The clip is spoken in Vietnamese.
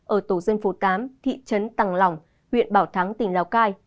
ở tổ dân phố tám thị trấn tăng lòng huyện bảo thắng tỉnh lào cai